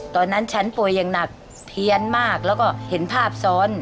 ตอนนั้นฉันป่วยอย่างหนักเพี้ยนมากแล้วก็เห็นภาพซ้อน